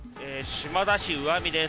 島田市鵜網です。